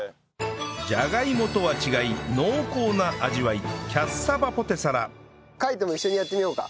ジャガイモとは違い濃厚な味わい海人も一緒にやってみようか。